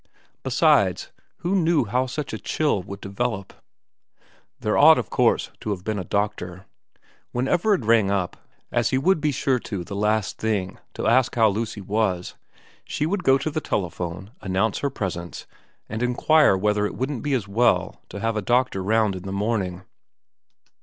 Besides, who knew how such a chill would develop ? There ought of course to have been a doctor. When Everard rang up, as he would be sure to the last thing to ask how Lucy was, she would go to the telephone, announce her presence, and inquire whether it wouldn't be as well to have a doctor round in the morning.